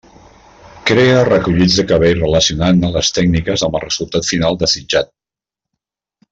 Crea recollits de cabell relacionant-ne les tècniques amb el resultat final desitjat.